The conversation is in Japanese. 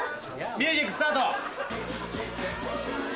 ミュージックスタート！